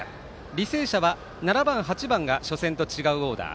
履正社は７番、８番が初戦と違うオーダー。